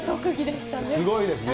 すごいですね。